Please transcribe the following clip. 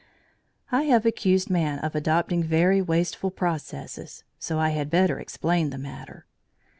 I have accused man of adopting very wasteful processes, so I had better explain the matter.